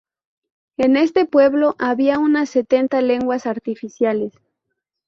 En este pueblo había unas setenta lagunas artificiales.